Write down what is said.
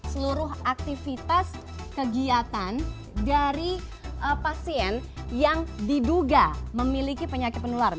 seluruh aktivitas kegiatan dari pasien yang diduga memiliki penyakit menular